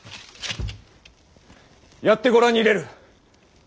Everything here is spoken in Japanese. やってご覧に入れる！